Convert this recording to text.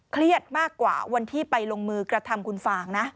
เครียดมากกว่าวันที่ไปลงมือกระทำคุณฟางนะ